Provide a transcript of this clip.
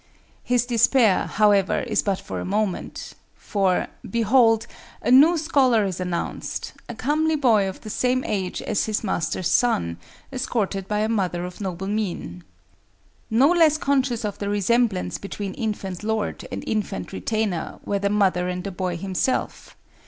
His despair, however, is but for a moment; for, behold, a new scholar is announced—a comely boy of the same age as his master's son, escorted by a mother of noble mien. No less conscious of the resemblance between infant lord and infant retainer, were the mother and the boy himself.